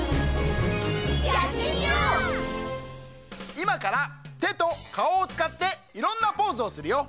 いまからてとかおをつかっていろんなポーズをするよ。